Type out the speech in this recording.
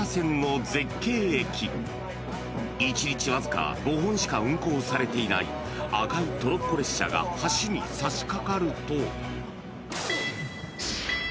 ［１日わずか５本しか運行されていない赤いトロッコ列車が橋にさしかかると］